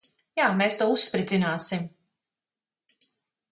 Jā. Mēs to uzspridzināsim.